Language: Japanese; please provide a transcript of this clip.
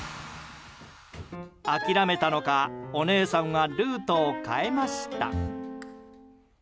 諦めたのかお姉さんはルートを変えました。